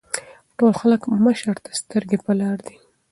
ټول خلک مشر ته سترګې پۀ لار دي ـ